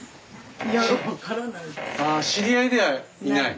あ知り合いではいない。